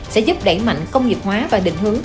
sẽ giúp đẩy mạnh công nghiệp hóa và định hướng